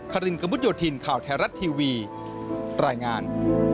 ครินกระมุดโยธินข่าวไทยรัฐทีวีรายงาน